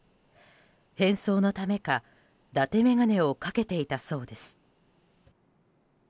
変装のためか伊達眼鏡をかけていたそうです。